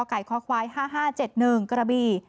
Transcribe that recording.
กกค๕๕๗๑กบ